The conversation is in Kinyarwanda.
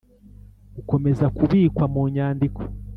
gukomeza kubikwa mu nyandiko